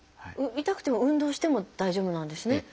痛くても運動しても大丈夫なんですね。